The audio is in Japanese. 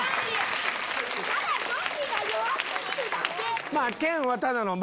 ただゾンビが弱過ぎるだけ。